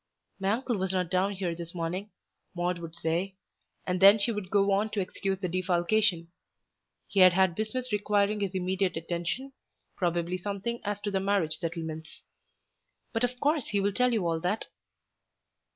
"My uncle was not down here this morning," Maude would say: and then she would go on to excuse the defalcation. He had had business requiring his immediate attention, probably something as to the marriage settlements. "But of course he will tell you all that."